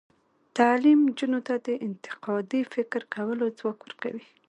تعلیم نجونو ته د انتقادي فکر کولو ځواک ورکوي.